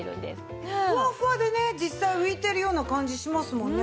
ふわふわでね実際浮いてるような感じしますもんね。